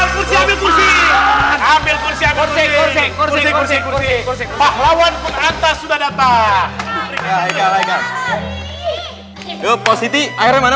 kursi kursi kursi kursi pahlawan kumanta sudah datang